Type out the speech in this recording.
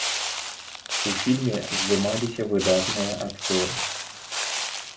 У фільме здымаліся выдатныя акцёры.